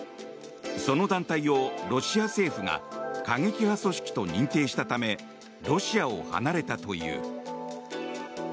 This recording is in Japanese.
その団体を、ロシア政府が過激派組織と認定したためロシアを離れたという。